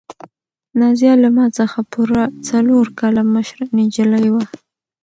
نازیه له ما څخه پوره څلور کاله مشره نجلۍ وه.